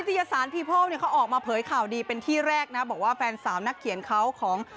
ทยศาสตร์พีโพลเนี่ยเขาออกมาเผยข่าวดีเป็นที่แรกนะบอกว่าแฟนสาวนักเขียนเขาของ